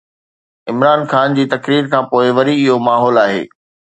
عمران خان جي تقرير کانپوءِ وري اهو ماحول آهي.